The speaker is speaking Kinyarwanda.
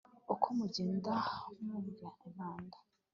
uko mugenda mwumva impanda